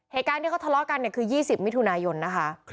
เหตุการณ์ที่เขาทะเลาะกันคือ๒๐มิถุนายนนะคะ